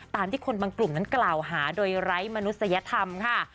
ที่คนบางกลุ่มนั้นกล่าวหาโดยไร้มนุษยธรรมค่ะ